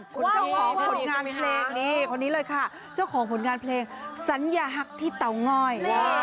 เจ้าของผลงานเพลงนี่คนนี้เลยค่ะเจ้าของผลงานเพลงสัญญาฮักที่เตาง่อย